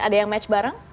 ada yang match bareng